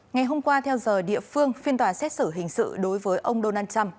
ngày hôm qua theo giờ địa phương phiên tòa xét xử hình sự đối với ông donald trump